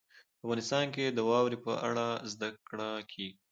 په افغانستان کې د واورې په اړه زده کړه کېږي.